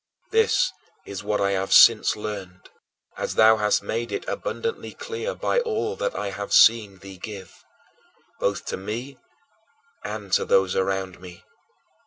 This is what I have since learned, as thou hast made it abundantly clear by all that I have seen thee give, both to me and to those around me.